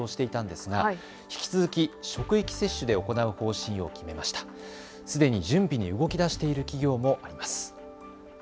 すでに準備に動きだしている企業もあります。